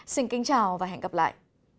xin kính chào và hẹn gặp lại